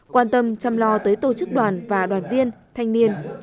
quan tâm chăm lo tới tổ chức đoàn và đoàn viên thanh niên